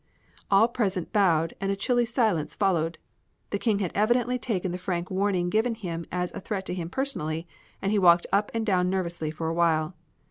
All present bowed, and a chilly silence followed. The King had evidently taken the frank warning given him as a threat to him personally, and he walked up and down nervously for a while.